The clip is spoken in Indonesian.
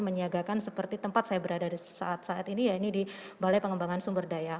menyiagakan seperti tempat saya berada saat saat ini ya ini di balai pengembangan sumber daya